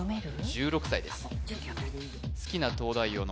１６歳です１９